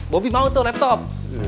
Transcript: bobi mau tuh laptop